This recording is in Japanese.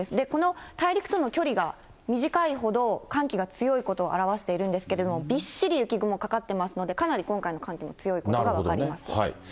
この大陸との距離が短いほど寒気が強いことを表しているんですけれども、びっしり雪雲かかっていますので、かなり今回の寒気は強なるほどね。